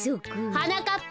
はなかっぱ！